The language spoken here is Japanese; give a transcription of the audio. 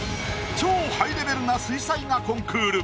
超ハイレベルな水彩画コンクール。